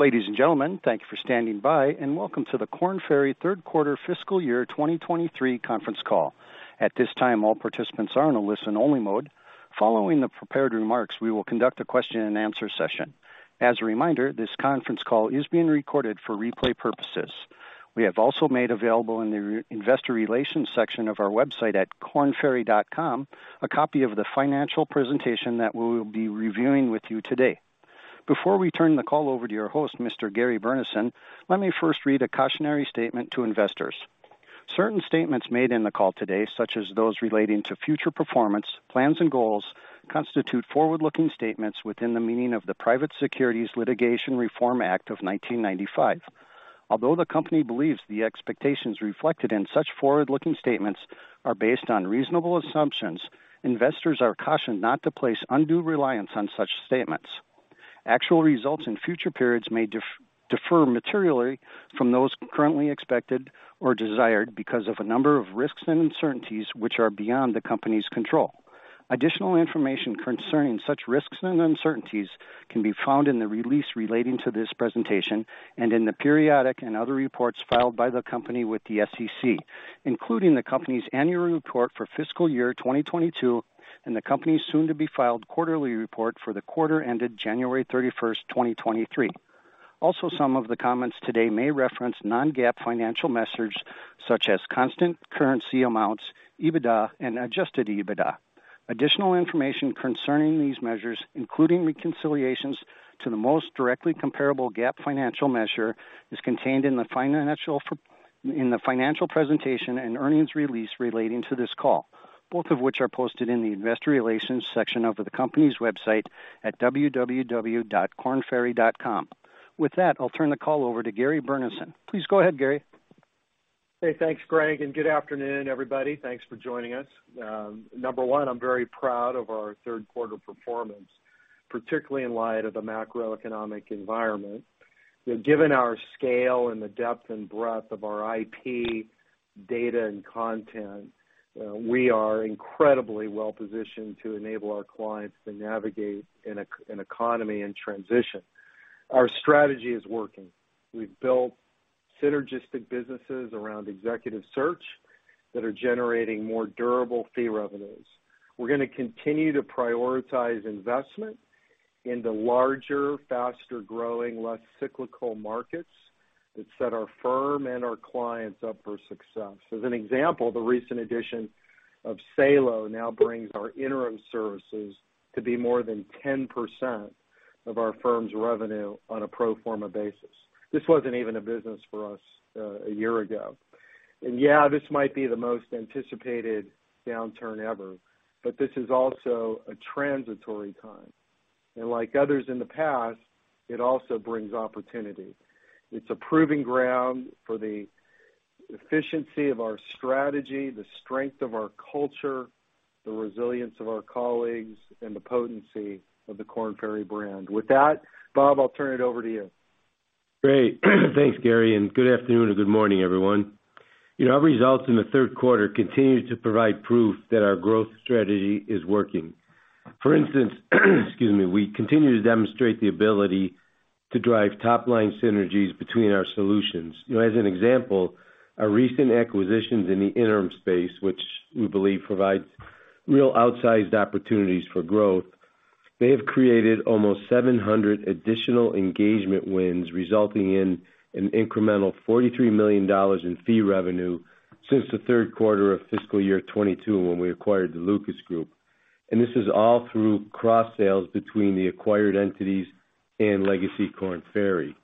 Ladies and gentlemen, thank you for standing by. Welcome to the Korn Ferry third quarter fiscal year 2023 conference call. At this time, all participants are in a listen-only mode. Following the prepared remarks, we will conduct a question and answer session. As a reminder, this conference call is being recorded for replay purposes. We have also made available in the investor relations section of our website at kornferry.com a copy of the financial presentation that we will be reviewing with you today. Before we turn the call over to your host, Mr. Gary Burnison, let me first read a cautionary statement to investors. Certain statements made in the call today, such as those relating to future performance, plans and goals, constitute forward-looking statements within the meaning of the Private Securities Litigation Reform Act of 1995. Although the company believes the expectations reflected in such forward-looking statements are based on reasonable assumptions, investors are cautioned not to place undue reliance on such statements. Actual results in future periods may defer materially from those currently expected or desired because of a number of risks and uncertainties which are beyond the company's control. Additional information concerning such risks and uncertainties can be found in the release relating to this presentation and in the periodic and other reports filed by the company with the SEC, including the company's annual report for fiscal year 2022 and the company's soon-to-be-filed quarterly report for the quarter ended January 31st, 2023. Also, some of the comments today may reference non-GAAP financial measures such as constant currency amounts, EBITDA and adjusted EBITDA. Additional information concerning these measures, including reconciliations to the most directly comparable GAAP financial measure, is contained in the financial presentation and earnings release relating to this call, both of which are posted in the investor relations section of the company's website at www.kornferry.com. With that, I'll turn the call over to Gary Burnison. Please go ahead, Gary. Hey, thanks, Gregg. Good afternoon, everybody. Thanks for joining us. Number one, I'm very proud of our 3rd quarter performance, particularly in light of the macroeconomic environment. Given our scale and the depth and breadth of our IP data and content, we are incredibly well-positioned to enable our clients to navigate an economy in transition. Our strategy is working. We've built synergistic businesses around executive search that are generating more durable fee revenues. We're gonna continue to prioritize investment into larger, faster-growing, less cyclical markets that set our firm and our clients up for success. As an example, the recent addition of Salo now brings our interim services to be more than 10% of our firm's revenue on a pro forma basis. This wasn't even a business for us, one year ago. Yeah, this might be the most anticipated downturn ever, but this is also a transitory time. Like others in the past, it also brings opportunity. It's a proving ground for the efficiency of our strategy, the strength of our culture, the resilience of our colleagues, and the potency of the Korn Ferry brand. With that, Bob, I'll turn it over to you. Great. Thanks, Gary, good afternoon or good morning, everyone. You know, our results in the third quarter continue to provide proof that our growth strategy is working. For instance, excuse me, we continue to demonstrate the ability to drive top-line synergies between our solutions. You know, as an example, our recent acquisitions in the interim space, which we believe provides real outsized opportunities for growth. They have created almost 700 additional engagement wins, resulting in an incremental $43 million in fee revenue since the third quarter of fiscal year 2022, when we acquired the Lucas Group. This is all through cross-sales between the acquired entities and legacy Korn Ferry.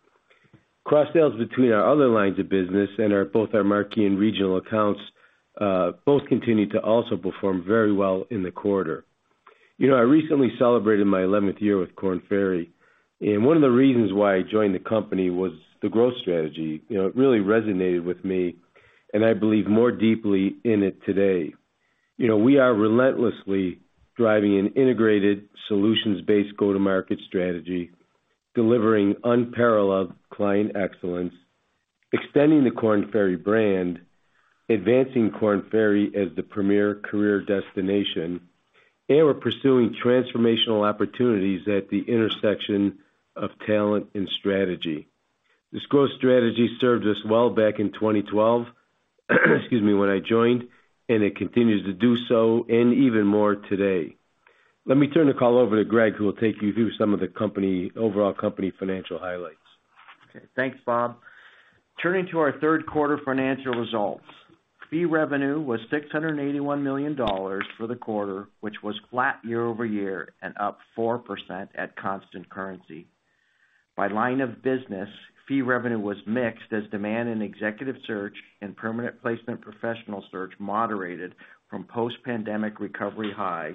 Cross-sales between our other lines of business and both our marquee and regional accounts continued to also perform very well in the quarter. You know, I recently celebrated my 11th year with Korn Ferry, and one of the reasons why I joined the company was the growth strategy. You know, it really resonated with me, and I believe more deeply in it today. You know, we are relentlessly driving an integrated solutions-based go-to-market strategy, delivering unparalleled client excellence, extending the Korn Ferry brand, advancing Korn Ferry as the premier career destination, and we're pursuing transformational opportunities at the intersection of talent and strategy. This growth strategy served us well back in 2012, excuse me, when I joined, and it continues to do so and even more today. Let me turn the call over to Gregg, who will take you through some of the overall company financial highlights. Okay. Thanks, Bob. Turning to our third quarter financial results. Fee revenue was $681 million for the quarter, which was flat year-over-year and up 4% at constant currency. By line of business, fee revenue was mixed as demand in executive search and permanent placement professional search moderated from post-pandemic recovery highs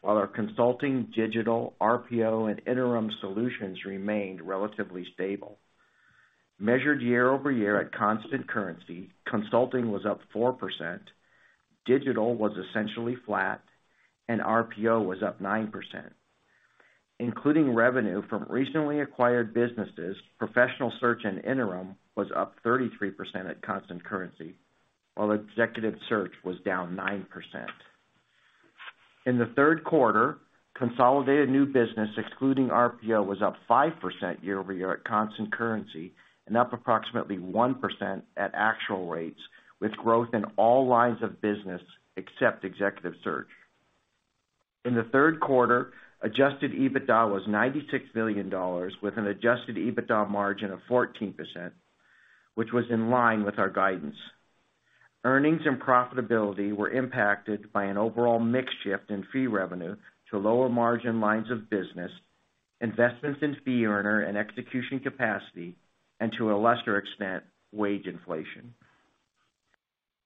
while our consulting, digital, RPO, and interim solutions remained relatively stable. Measured year-over-year at constant currency, consulting was up 4%, digital was essentially flat, and RPO was up 9%. Including revenue from recently acquired businesses, professional search and interim was up 33% at constant currency, while executive search was down 9%. In the third quarter, consolidated new business, excluding RPO, was up 5% year-over-year at constant currency and up approximately 1% at actual rates, with growth in all lines of business except Executive Search. In the third quarter, adjusted EBITDA was $96 million with an adjusted EBITDA margin of 14%, which was in line with our guidance. Earnings and profitability were impacted by an overall mix shift in fee revenue to lower margin lines of business, investments in fee earner and execution capacity, and to a lesser extent, wage inflation.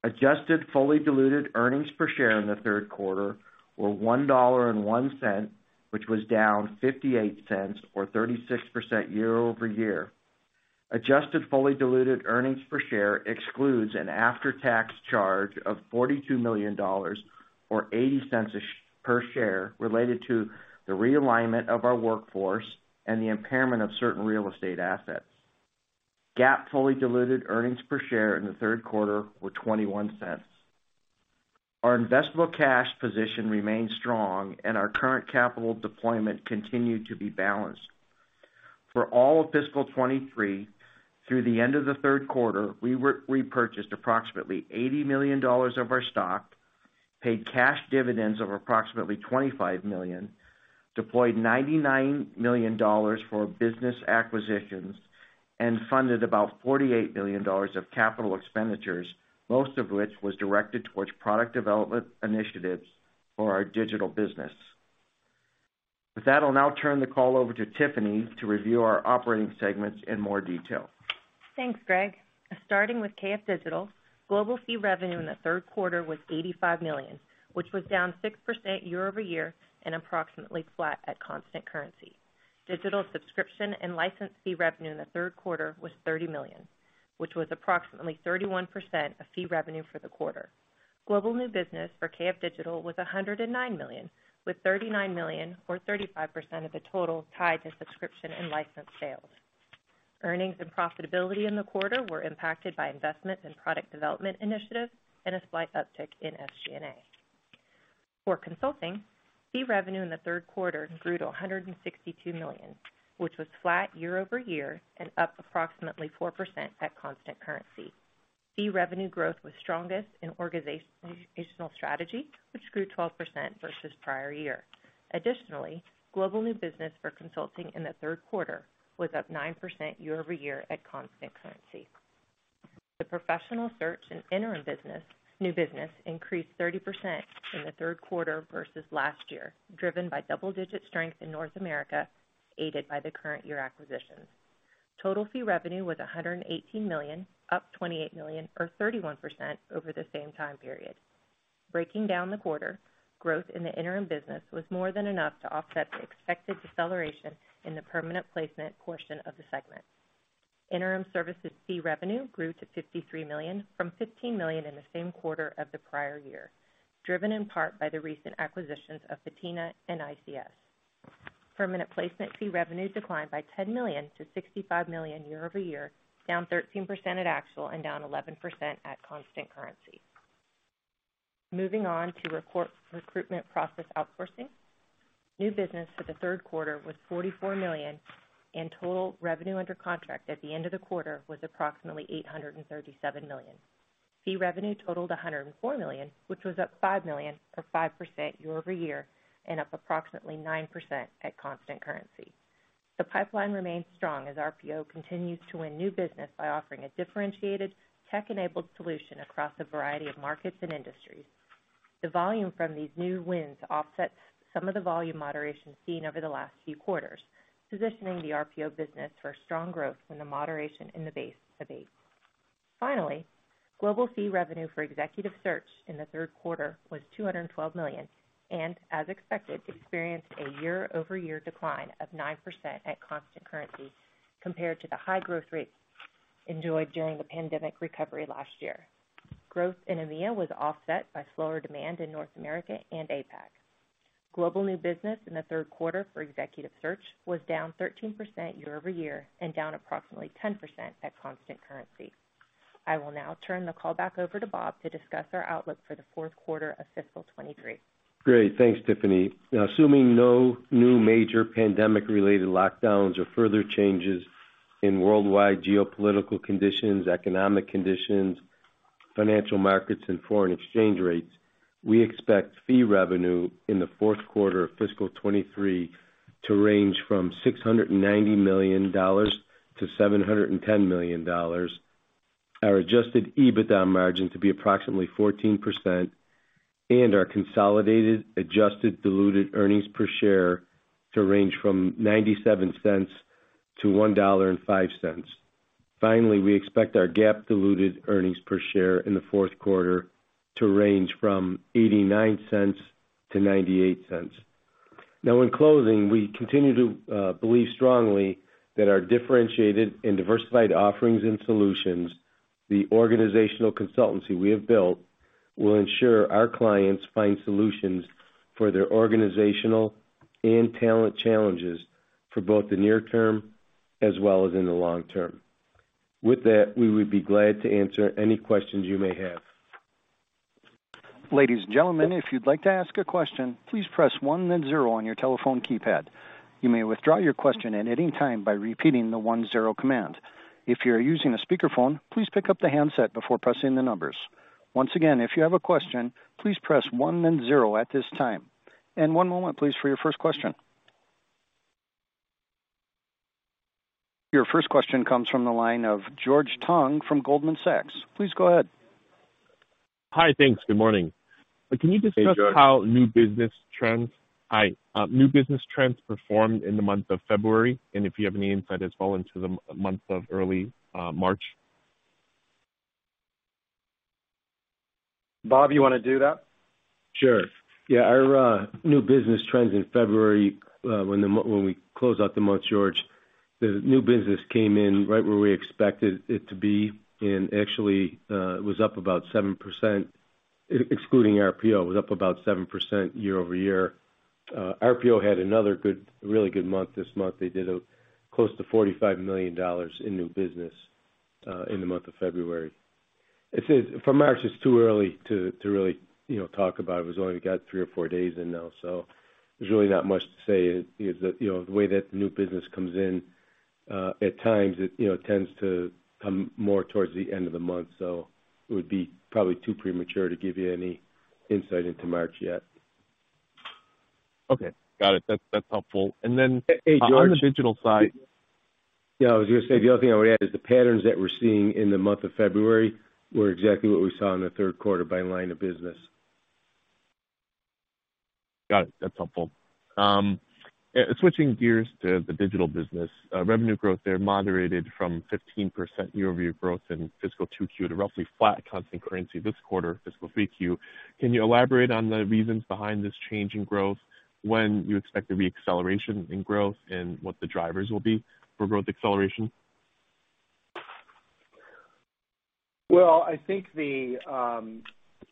Adjusted fully diluted earnings per share in the third quarter were $1.01, which was down $0.58, or 36% year-over-year. Adjusted fully diluted earnings per share excludes an after-tax charge of $42 million or $0.80 per share related to the realignment of our workforce and the impairment of certain real estate assets. GAAP fully diluted earnings per share in the third quarter were $0.21. Our investable cash position remains strong and our current capital deployment continued to be balanced. For all of fiscal 2023, through the end of the third quarter, we repurchased approximately $80 million of our stock, paid cash dividends of approximately $25 million, deployed $99 million for business acquisitions, and funded about $48 million of capital expenditures, most of which was directed towards product development initiatives for our digital business. I'll now turn the call over to Tiffany to review our operating segments in more detail. Thanks, Gregg. Starting with KF Digital, global fee revenue in the third quarter was $85 million, which was down 6% year-over-year and approximately flat at constant currency. Digital subscription and license fee revenue in the third quarter was $30 million, which was approximately 31% of fee revenue for the quarter. Global new business for KF Digital was $109 million, with $39 million or 35% of the total tied to subscription and license sales. Earnings and profitability in the quarter were impacted by investments in product development initiatives and a slight uptick in SG&A. For consulting, fee revenue in the third quarter grew to $162 million, which was flat year-over-year and up approximately 4% at constant currency. Fee revenue growth was strongest in organizational strategy, which grew 12% versus prior year. Additionally, global new business for consulting in the third quarter was up 9% year-over-year at constant currency. The professional search and interim business, new business increased 30% in the third quarter versus last year, driven by double-digit strength in North America, aided by the current year acquisitions. Total fee revenue was $118 million, up $28 million or 31% over the same time period. Breaking down the quarter, growth in the interim business was more than enough to offset the expected deceleration in the permanent placement portion of the segment. Interim services fee revenue grew to $53 million from $15 million in the same quarter of the prior year, driven in part by the recent acquisitions of Patina and ICS. Permanent placement fee revenue declined by $10 million to $65 million year-over-year, down 13% at actual and down 11% at constant currency. Moving on to Recruitment Process Outsourcing. New business for the third quarter was $44 million, and total revenue under contract at the end of the quarter was approximately $837 million. Fee revenue totaled $104 million, which was up $5 million or 5% year-over-year and up approximately 9% at constant currency. The pipeline remains strong as RPO continues to win new business by offering a differentiated tech-enabled solution across a variety of markets and industries. The volume from these new wins offsets some of the volume moderation seen over the last few quarters, positioning the RPO business for strong growth when the moderation in the base abates. Finally, global fee revenue for Executive Search in the third quarter was $212 million, and as expected, experienced a year-over-year decline of 9% at constant currency compared to the high growth rate enjoyed during the pandemic recovery last year. Growth in EMEA was offset by slower demand in North America and APAC. Global new business in the third quarter for Executive Search was down 13% year-over-year and down approximately 10% at constant currency. I will now turn the call back over to Bob to discuss our outlook for the fourth quarter of fiscal 2023. Great. Thanks, Tiffany. Assuming no new major pandemic-related lockdowns or further changes in worldwide geopolitical conditions, economic conditions, financial markets, and foreign exchange rates, we expect fee revenue in the fourth quarter of fiscal 2023 to range from $690 million-$710 million. Our adjusted EBITDA margin to be approximately 14% and our consolidated adjusted diluted earnings per share to range from $0.97-$1.05. Finally, we expect our GAAP diluted earnings per share in the fourth quarter to range from $0.89-$0.98. In closing, we continue to believe strongly that our differentiated and diversified offerings and solutions, the organizational consultancy we have built, will ensure our clients find solutions for their organizational and talent challenges for both the near term as well as in the long term. With that, we would be glad to answer any questions you may have. Ladies and gentlemen, if you'd like to ask a question, please press one then zero on your telephone keypad. You may withdraw your question at any time by repeating the one-zero command. If you're using a speakerphone, please pick up the handset before pressing the numbers. Once again, if you have a question, please press one then zero at this time. one moment, please, for your first question. Your first question comes from the line of George Tong from Goldman Sachs. Please go ahead. Hi. Thanks. Good morning. Hey, George. Can you discuss how new business trends performed in the month of February, and if you have any insight as well into the month of early, March? Bob, you wanna do that? Sure. Our new business trends in February, when we closed out the month, George, the new business came in right where we expected it to be. Actually, it was up about 7%, excluding RPO, it was up about 7% year-over-year. RPO had another good, really good month this month. They did close to $45 million in new business in the month of February. For March, it's too early to really, you know, talk about. We've only got three or four days in now, so there's really not much to say. You know, the way that new business comes in, at times, it, you know, tends to come more towards the end of the month. It would be probably too premature to give you any insight into March yet. Okay. Got it. That's, that's helpful. Hey, George. ...on the digital side. Yeah, I was gonna say, the other thing I would add is the patterns that we're seeing in the month of February were exactly what we saw in the third quarter by line of business. Got it. That's helpful. Switching gears to the digital business. Revenue growth there moderated from 15% year-over-year growth in fiscal 2Q to roughly flat constant currency this quarter, fiscal 3Q. Can you elaborate on the reasons behind this change in growth, when you expect there'll be acceleration in growth, and what the drivers will be for growth acceleration? Well, I think the, you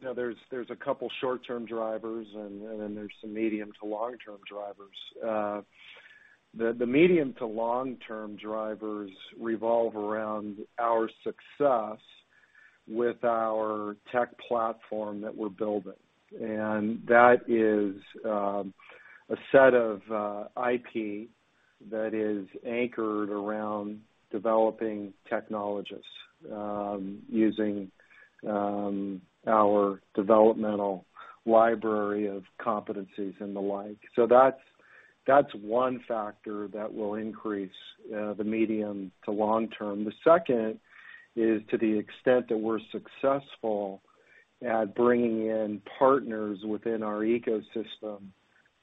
know, there's a couple short-term drivers and then there's some medium to long-term drivers. The medium to long-term drivers revolve around our success with our tech platform that we're building. That is a set of IP that is anchored around developing technologists, using our developmental library of competencies and the like. That's one factor that will increase the medium to long term. The second is to the extent that we're successful at bringing in partners within our ecosystem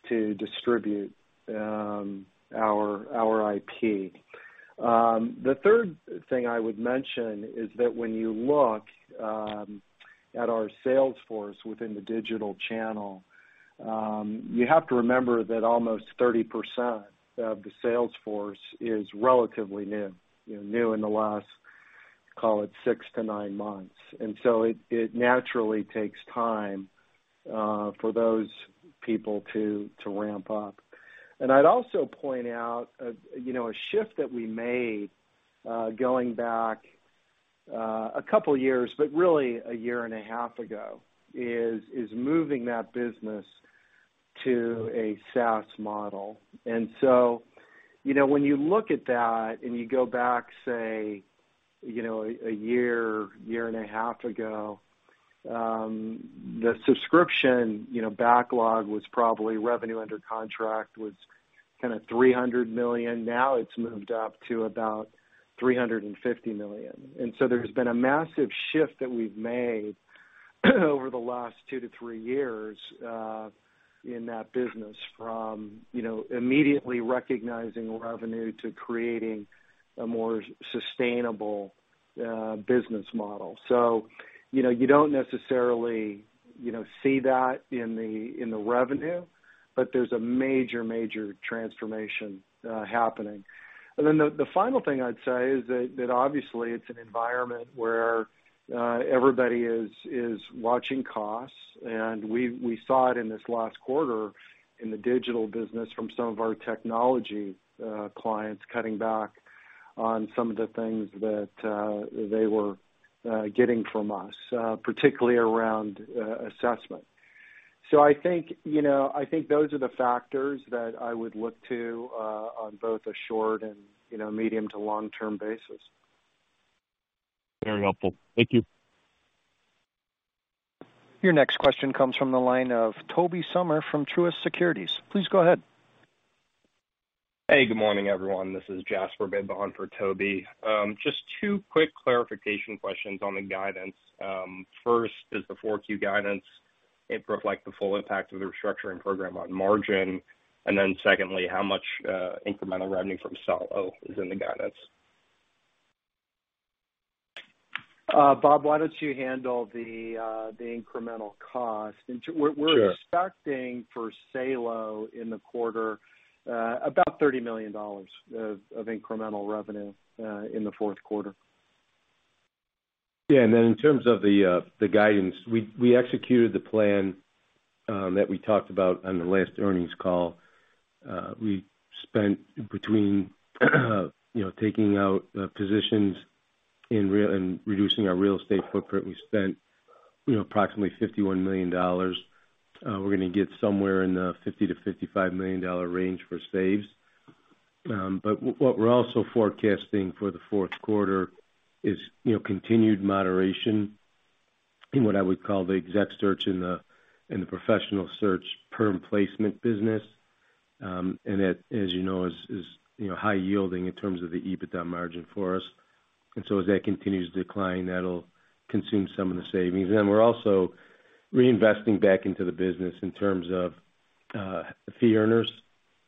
to distribute our IP. The third thing I would mention is that when you look at our sales force within the digital channel, you have to remember that almost 30% of the sales force is relatively new, you know, new in the last, call it six-nine months. It naturally takes time for those people to ramp up. I'd also point out, you know, a shift that we made going back a couple years but really a year and a half ago, is moving that business to a SaaS model. When you look at that and you go back, say, you know, a year and a half ago, the subscription, you know, backlog was probably revenue under contract, was kinda $300 million, now it's moved up to about $350 million. There's been a massive shift that we've made over the last two to three years in that business from, you know, immediately recognizing revenue to creating a more sustainable business model. You know, you don't necessarily, you know, see that in the revenue, but there's a major transformation happening. The final thing I'd say is that obviously it's an environment where everybody is watching costs, and we saw it in this last quarter in the digital business from some of our technology clients cutting back on some of the things that they were getting from us, particularly around assessment. I think, you know, I think those are the factors that I would look to on both a short and, you know, medium to long-term basis. Very helpful. Thank you. Your next question comes from the line of Tobey Sommer from Truist Securities. Please go ahead. Hey, good morning, everyone. This is Jasper Bibb for Tobey. Just two quick clarification questions on the guidance. First, does the 4Q guidance reflect the full impact of the restructuring program on margin? Secondly, how much incremental revenue from Salo is in the guidance? Bob, why don't you handle the incremental cost? Sure. We're expecting for Salo in the quarter, about $30 million of incremental revenue, in the fourth quarter. Yeah. Then in terms of the guidance, we executed the plan that we talked about on the last earnings call. We spent between, you know, taking out positions and reducing our real estate footprint, we spent, you know, approximately $51 million. We're gonna get somewhere in the $50 million-$55 million range for saves. What we're also forecasting for the fourth quarter is, you know, continued moderation in what I would call the exec search and the professional search perm placement business. That, as you know, is, you know, high yielding in terms of the EBITDA margin for us. As that continues to decline, that'll consume some of the savings. We're also reinvesting back into the business in terms of, fee earners,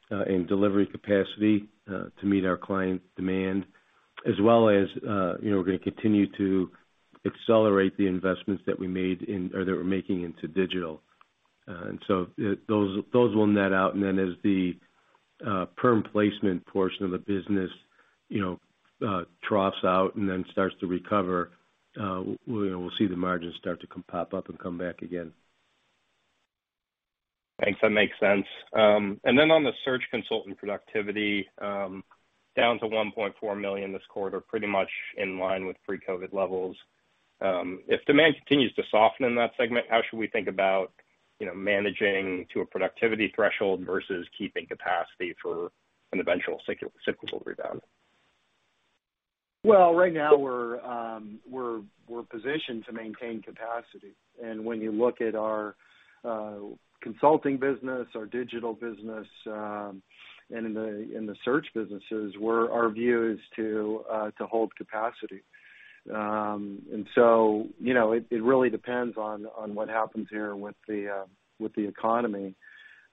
and delivery capacity, to meet our client demand, as well as, you know, we're gonna continue to accelerate the investments that we made in or that we're making into digital. So, those will net out. Then as the, perm placement portion of the business, you know, troughs out and then starts to recover, we'll see the margins start to pop up and come back again. Thanks. That makes sense. Then on the search consultant productivity, down to $1.4 million this quarter, pretty much in line with pre-COVID levels. If demand continues to soften in that segment, how should we think about, you know, managing to a productivity threshold versus keeping capacity for an eventual cyclical rebound? Right now we're positioned to maintain capacity. When you look at our consulting business, our digital business, and the search businesses, our view is to hold capacity. You know, it really depends on what happens here with the economy.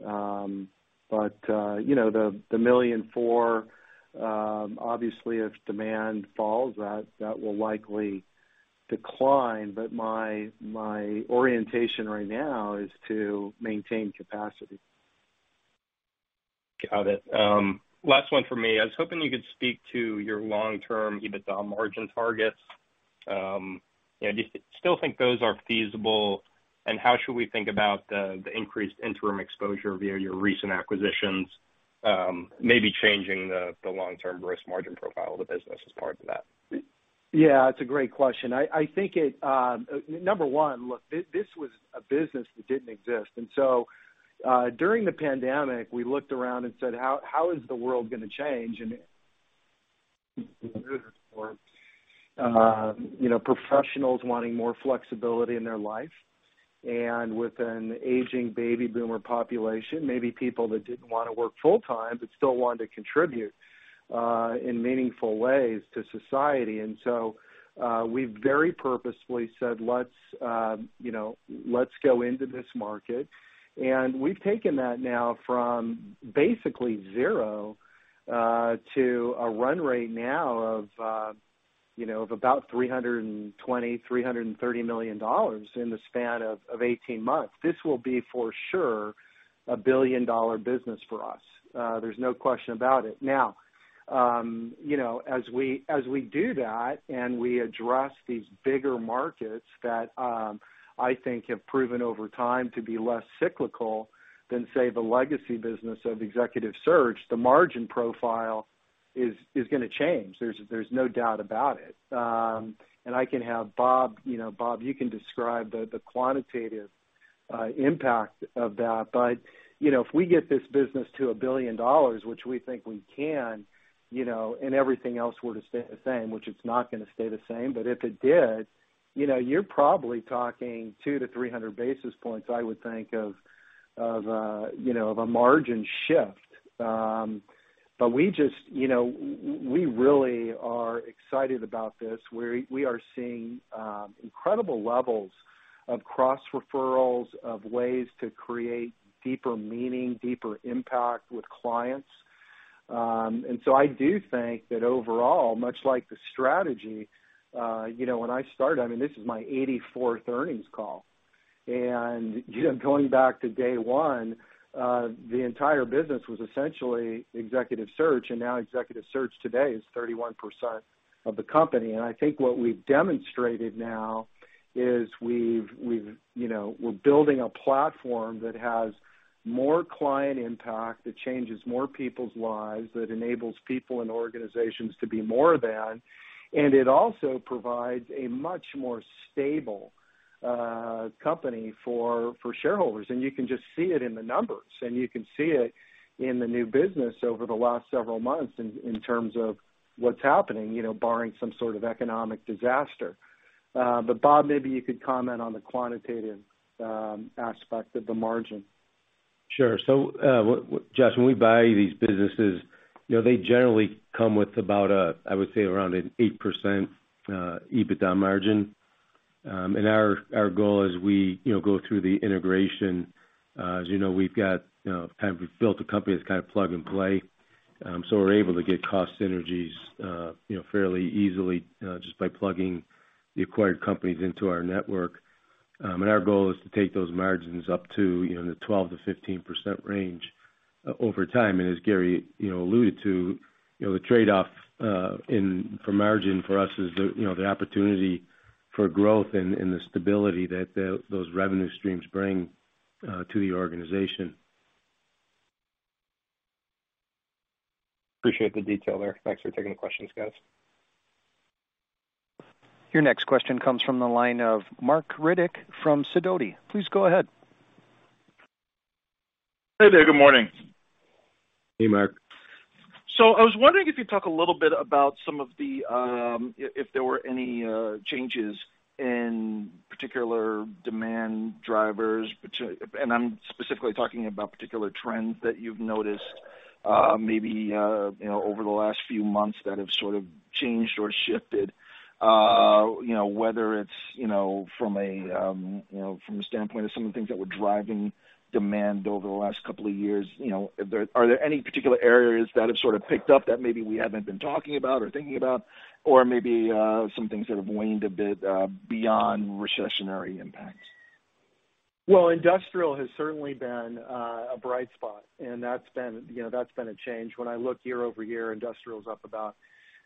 You know, the $1.4 million, obviously if demand falls, that will likely decline. My orientation right now is to maintain capacity. Got it. Last one for me. I was hoping you could speak to your long-term EBITDA margin targets. You know, do you still think those are feasible, and how should we think about the increased interim exposure via your recent acquisitions, maybe changing the long-term risk margin profile of the business as part of that? Yeah, it's a great question. I think it. Number one, look, this was a business that didn't exist. During the pandemic, we looked around and said, "How, how is the world gonna change?" You know, professionals wanting more flexibility in their life. With an aging baby boomer population, maybe people that didn't wanna work full-time, but still wanted to contribute, in meaningful ways to society. We very purposefully said, "Let's, you know, let's go into this market." We've taken that now from basically zero, to a run rate now of, you know, of about $320 million-$330 million in the span of 18 months. This will be for sure a $1 billion-dollar business for us. There's no question about it. You know, as we, as we do that, and we address these bigger markets that, I think have proven over time to be less cyclical than, say, the legacy business of executive search, the margin profile is gonna change. There's no doubt about it. I can have Bob, you know, Bob, you can describe the quantitative impact of that. You know, if we get this business to $1 billion, which we think we can, you know, and everything else were to stay the same, which it's not gonna stay the same, but if it did, you know, you're probably talking 200-300 basis points, I would think, of, you know, of a margin shift. We just, you know, we really are excited about this. We are seeing incredible levels of cross-referrals, of ways to create deeper meaning, deeper impact with clients. So I do think that overall, much like the strategy, you know, when I started, I mean, this is my 84th earnings call. You know, going back to day one, the entire business was essentially executive search, and now executive search today is 31% of the company. I think what we've demonstrated now is we've, you know, we're building a platform that has more client impact, that changes more people's lives, that enables people and organizations to be more than, and it also provides a much more stable company for shareholders. You can just see it in the numbers, and you can see it in the new business over the last several months in terms of what's happening, you know, barring some sort of economic disaster. Bob, maybe you could comment on the quantitative aspect of the margin. Sure. Jasper, when we buy these businesses, you know, they generally come with about, I would say around an 8% EBITDA margin. Our goal as we, you know, go through the integration, as you know, we've got, you know, kind of we've built a company that's kind of plug and play, so we're able to get cost synergies, you know, fairly easily, just by plugging the acquired companies into our network. Our goal is to take those margins up to, you know, the 12%-15% range, over time. As Gary, you know, alluded to, you know, the trade-off for margin for us is the, you know, the opportunity for growth and the stability that those revenue streams bring, to the organization. Appreciate the detail there. Thanks for taking the questions, guys. Your next question comes from the line of Marc Riddick from Sidoti. Please go ahead. Hey there. Good morning. Hey, Marc. I was wondering if you'd talk a little bit about some of the, if there were any changes in particular demand drivers. I'm specifically talking about particular trends that you've noticed, maybe, you know, over the last few months that have sort of changed or shifted. You know, whether it's, you know, from a, you know, from a standpoint of some of the things that were driving demand over the last couple of years, you know, are there any particular areas that have sort of picked up that maybe we haven't been talking about or thinking about? Or maybe some things that have waned a bit, beyond recessionary impacts? Industrial has certainly been a bright spot, and that's been, you know, that's been a change. When I look year-over-year, industrial is up about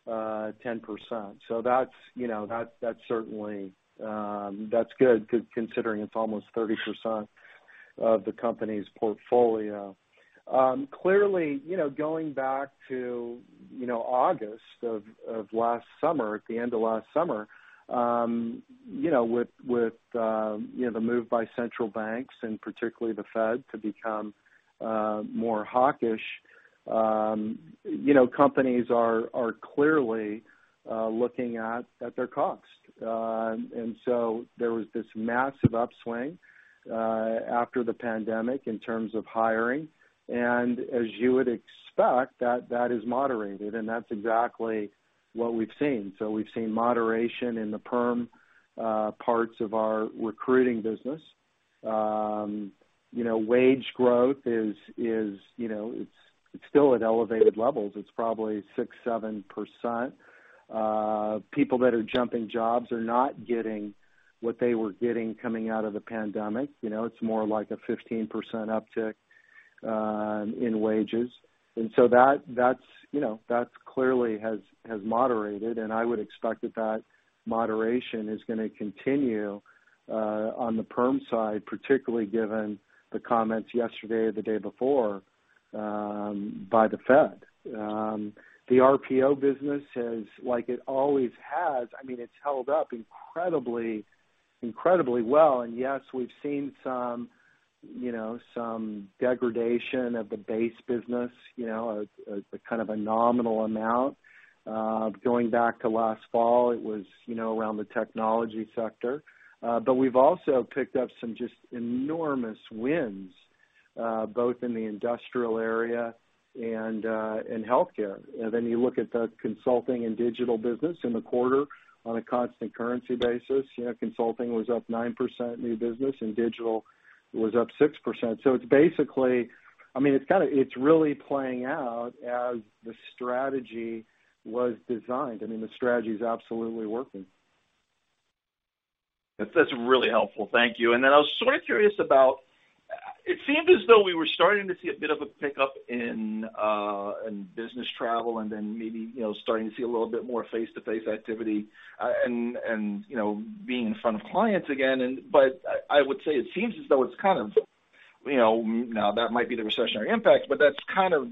10%. That's, you know, that's certainly good considering it's almost 30% of the company's portfolio. Clearly, you know, going back to, you know, August of last summer, at the end of last summer, you know, with, you know, the move by central banks and particularly the Fed to become more hawkish, you know, companies are clearly looking at their cost. There was this massive upswing after the pandemic in terms of hiring. As you would expect, that is moderated, and that's exactly what we've seen. We've seen moderation in the perm parts of our recruiting business. You know, wage growth is, you know, it's still at elevated levels. It's probably 6, 7%. People that are jumping jobs are not getting what they were getting coming out of the pandemic. You know, it's more like a 15% uptick in wages. That's, you know, that clearly has moderated, and I would expect that that moderation is gonna continue on the perm side, particularly given the comments yesterday or the day before by the Fed. The RPO business has, like it always has, I mean, it's held up incredibly well. Yes, we've seen some, you know, some degradation of the base business, you know, a kind of a nominal amount. Going back to last fall, it was, you know, around the technology sector. We've also picked up some just enormous wins, both in the industrial area and in healthcare. Then you look at the consulting and digital business in the quarter on a constant currency basis, you know, consulting was up 9%, new business, and digital was up 6%. It's basically, I mean, it's really playing out as the strategy was designed. I mean, the strategy is absolutely working. That's really helpful. Thank you. Then I was sort of curious about, it seemed as though we were starting to see a bit of a pickup in business travel and then maybe, you know, starting to see a little bit more face-to-face activity, and, you know, being in front of clients again. I would say it seems as though it's kind of, you know. Now, that might be the recessionary impact, but that's kind of,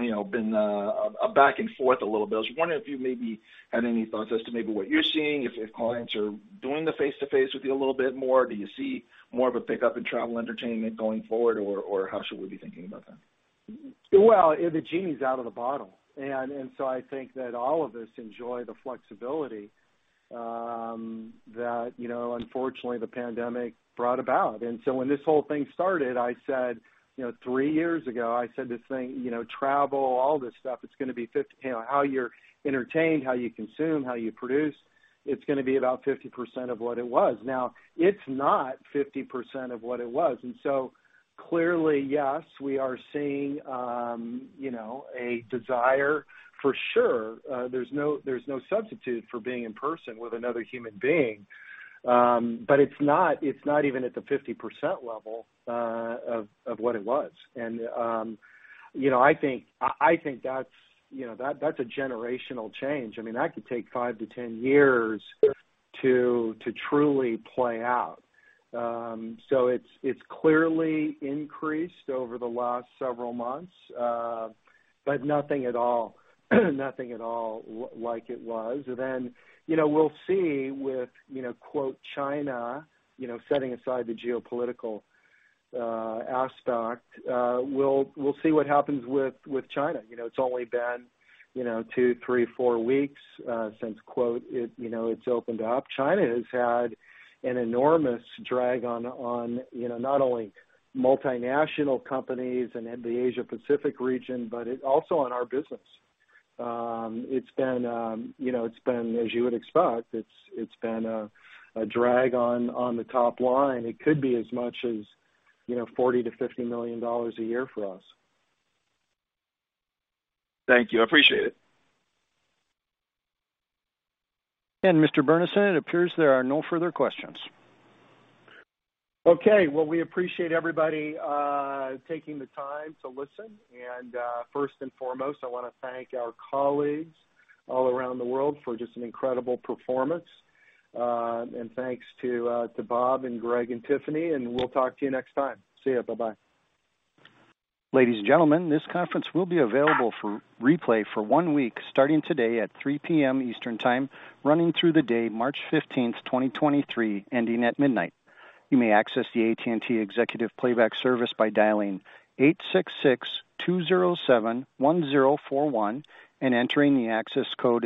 you know, been a back and forth a little bit. I was wondering if you maybe had any thoughts as to maybe what you're seeing, if clients are doing the face-to-face with you a little bit more. Do you see more of a pickup in travel entertainment going forward? How should we be thinking about that? Well, the genie is out of the bottle. I think that all of us enjoy the flexibility, that, you know, unfortunately, the pandemic brought about. When this whole thing started, I said, you know, three years ago, I said this thing, you know, travel, all this stuff, it's gonna be, you know, how you're entertained, how you consume, how you produce, it's gonna be about 50% of what it was. Now, it's not 50% of what it was. Clearly, yes, we are seeing, you know, a desire for sure. There's no, there's no substitute for being in person with another human being. But it's not, it's not even at the 50% level, of what it was. You know, I think, I think that's, you know, that's a generational change. I mean, that could take 5-10 years to truly play out. It's clearly increased over the last several months, but nothing at all like it was. You know, we'll see with, you know, quote, China, you know, setting aside the geopolitical aspect, we'll see what happens with China. You know, it's only been, you know, two, three, four weeks since quote, 'it's opened up.' China has had an enormous drag on, you know, not only multinational companies and the Asia Pacific region, but it also on our business. It's been, you know, it's been as you would expect, it's been a drag on the top line. It could be as much as, you know, $40 million-$50 million a year for us. Thank you. I appreciate it. Mr. Burnison, it appears there are no further questions. Okay. Well, we appreciate everybody taking the time to listen. First and foremost, I wanna thank our colleagues all around the world for just an incredible performance. Thanks to Bob and Gregg and Tiffany, and we'll talk to you next time. See ya. Bye-bye. Ladies and gentlemen, this conference will be available for replay for one week, starting today at 3:00 P.M. Eastern time, running through the day March 15th, 2023, ending at midnight. You may access the AT&T Executive Playback Service by dialing 866-207-1041 and entering the access code